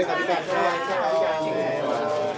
ขอบคุณมากครับ